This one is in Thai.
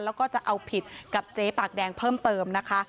แล้วก็จะเอาผิดกับเจ๊ปากแดงเพิ่มเติมนะคะ